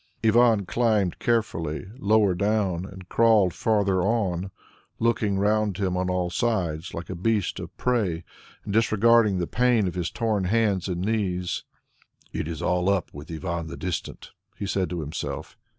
Ivan climbed carefully lower down and crawled farther on, looking round him on all sides like a beast of prey and disregarding the pain of his torn hands and knees. "It is all up with Ivan the Distant," he said to himself.